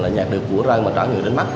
nhặt được của rơi mà trả người đánh mất